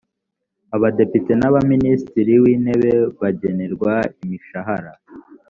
abadepite na minisitiri w intebe bagenerwa imishahara